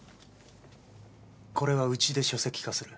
これはうちで書籍化する。